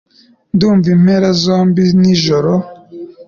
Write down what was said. Ndumva impera zombi nijoro